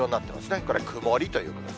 これ、曇りということです。